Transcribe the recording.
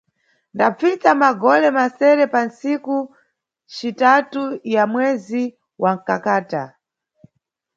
Ndapfitsa magole masere pa ntsiku citatu ya mwezi wa Nkakata